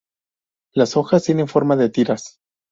Las hojas tienen forma de tiras.